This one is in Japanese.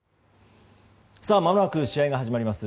まもなく試合が始まります。